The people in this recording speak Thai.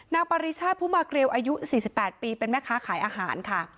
ปริชาติผู้มาเกลียวอายุ๔๘ปีเป็นแม่ค้าขายอาหารค่ะ